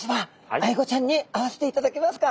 アイゴちゃんに会わせていただけますか？